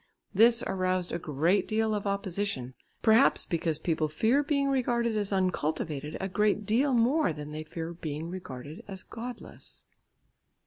This aroused a great deal of opposition, perhaps because people fear being regarded as uncultivated a great deal more than they fear being regarded as godless.